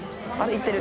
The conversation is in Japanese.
行ってる。